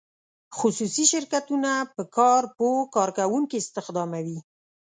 خصوصي شرکتونه په کار پوه کارکوونکي استخداموي.